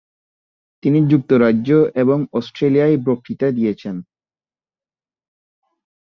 তিনি যুক্তরাজ্য এবং অস্ট্রেলিয়ায় বক্তৃতা দিয়েছেন।